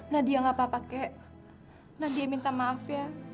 nadia gak apa apa kak nadia minta maaf ya